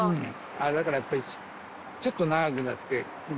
だからやっぱりちょっと長くなって。